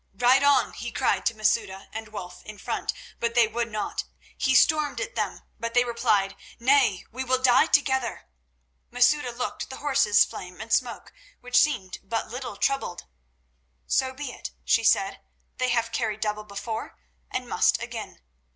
"Ride on!" he cried to Rosamund and Wulf in front; but they would not. He stormed at them, but they replied: "Nay, we will die together." Masouda looked at the horses Flame and Smoke, which seemed but little troubled. "So be it," she said; "they have carried double before, and must again.